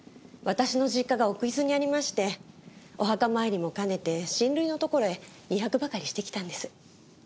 私の実家が奥伊豆にありましてお墓参りも兼ねて親類のところへ２泊ばかりしてきたんです。